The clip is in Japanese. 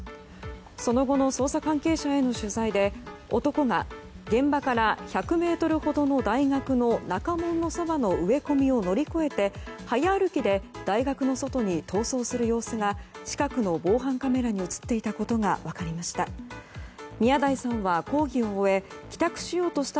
その後の捜査関係者への取材で男が現場から１００ｍほどの大学の中門のそばの植え込みを乗り越えて早歩きで大学の外に逃走する様子が近くの防犯カメラに映っていたことが分かりました。